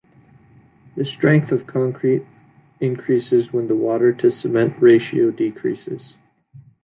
The strength of concrete increases when the water to cement ratio decreases.